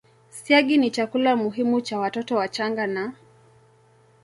Siagi ni chakula muhimu cha watoto wachanga na